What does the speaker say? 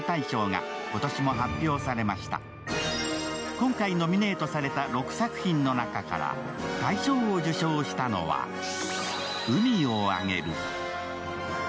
今回ノミネートされた６作品の中から、大賞を受賞したのは「海をあげる」。